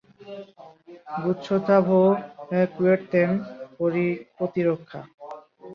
Gustavo Kuerten প্রতিরক্ষা.